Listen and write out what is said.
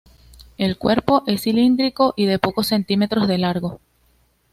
El cuerpo es cilíndrico y de pocos centímetros de largo.